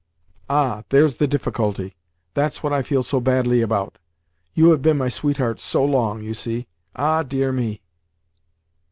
"Ah, there's the difficulty—that's what I feel so badly about, You have been my sweetheart so long, you see. Ah, dear me!"